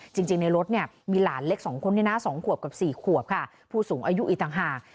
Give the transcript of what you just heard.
จริงในรถเนี่ยมีหลานเล็กสองคนเนี่ยนะ๒ขวบกับ๔ขวบค่ะผู้สูงอายุอีกต่างหาก